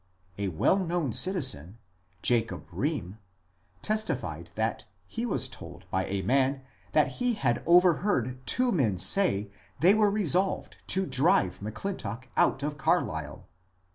A well known citizen, Jacob Rheem, testified that he was told by a man that he had overheard two men say they were resolved to drive M'Clintock out of Carlisle.